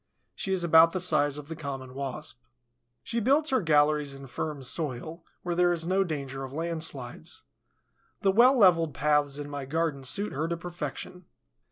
She is about the size of the Common Wasp. She builds her galleries in firm soil, where there is no danger of landslides. The well leveled paths in my garden suit her to perfection.